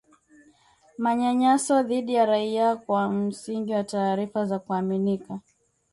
manyanyaso dhidi ya raia kwa msingi wa taarifa za kuaminika